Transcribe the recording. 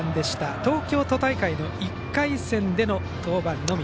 東京都大会１回戦の登板のみ。